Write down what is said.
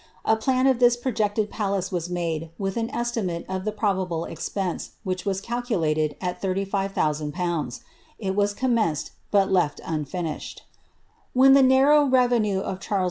A plan of tltis prqjceieJ palace was made, with an estimate of the probable expense^ which vai calculated at 35,000/. It was commenced, but lef^ unfinished. When the narrow revenue of Charles II.